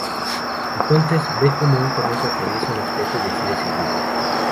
Entonces ve cómo un conejo atraviesa un espejo, y decide seguirlo.